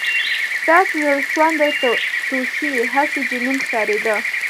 • داسې زړهسواندې توصیې، هسې جنون ښکارېده.